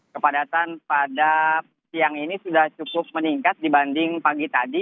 kepadatan pada siang ini sudah cukup meningkat dibanding pagi tadi